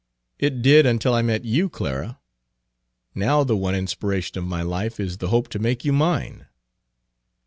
"It did until I met you, Clara. Now the one inspiration of my life is the hope to make you mine."